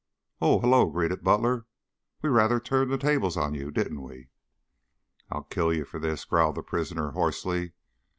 "Oh, hullo!" greeted Butler. "We rather turned the tables on you, didn't we?" "I'll kill you for this!" growled the prisoner hoarsely.